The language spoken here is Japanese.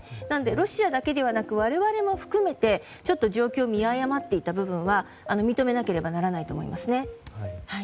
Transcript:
なので、ロシアだけではなく我々も含めて状況を見誤っていた部分は認めなければならないと思いますね。